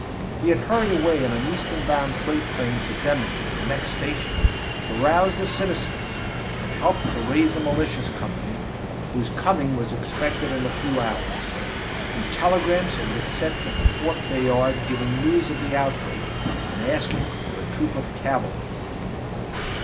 He had hurried away on an Eastern bound freight train to Deming, the next station, to rouse the citizens and help to raise a militia company, whose coming was expected in a few hours. And telegrams had been sent to Fort Bayard giving news of the outbreak and asking for a troop of cavalry.